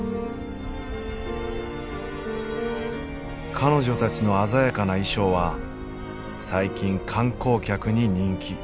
彼女たちの鮮やかな衣装は最近観光客に人気。